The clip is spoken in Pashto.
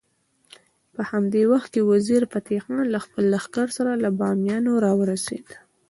په همدې وخت کې وزیر فتح خان له خپل لښکر سره له بامیانو راورسېد.